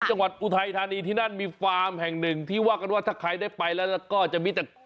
อุทัยธานีที่นั่นมีฟาร์มแห่งหนึ่งที่ว่ากันว่าถ้าใครได้ไปแล้วก็จะมีแต่